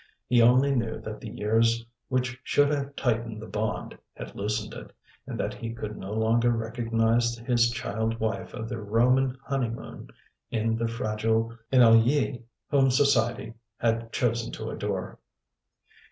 He only knew that the years which should have tightened the bond had loosened it; and that he could no longer recognise his child wife of their Roman honeymoon in the fragile ennuyée whom Society had chosen to adore.